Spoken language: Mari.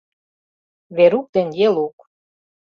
Верук ден Елук.